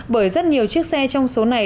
bởi rất nhiều chiếc xe trong số này